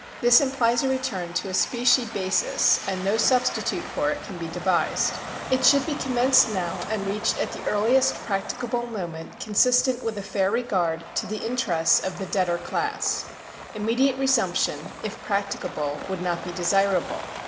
This implies a return to a specie basis, and no substitute for it can be devised. It should be commenced now and reached at the earliest practicable moment consistent with a fair regard to the interests of the debtor class. Immediate resumption, if practicable, would not be desirable.